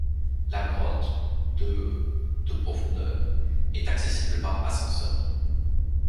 La grotte, de de profondeur, est accessible par ascenseur.